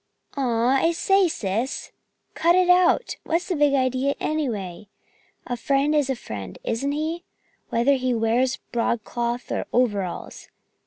"Aw, I say, Sis, cut it out! What's the big idea, anyway? A friend is a friend, isn't he, whether he wears broadcloth or overalls?"